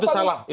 itu salah ya